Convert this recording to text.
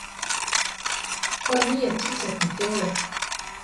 Tá Niamh tite chun feola.